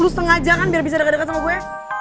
lu sengaja kan biar bisa deket deket sama gue